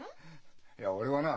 いや俺はな